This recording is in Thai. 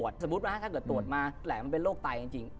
สมมุติว่าถ้าเกิดตรวจมาแหลมมันเป็นโรคไตจริง